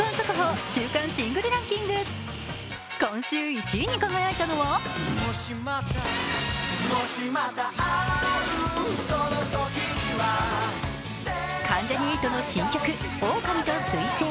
今週１位に輝いたのは関ジャニ∞の新曲「オオカミと彗星」。